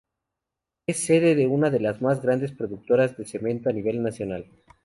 Es sede de una de las más grandes productoras de cemento a nivel nacional.